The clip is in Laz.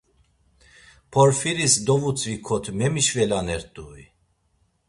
Porfiris dovutzviǩot memişvelanert̆ui?